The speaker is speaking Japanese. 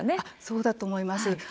そうだと思います。